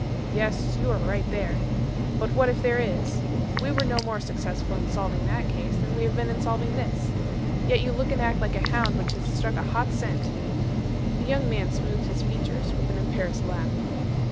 "Yes, you are right there. But what if there is? We were no more successful in solving that case than we have been in solving this. Yet you look and act like a hound which has struck a hot scent." The young man smoothed his features with an embarrassed laugh.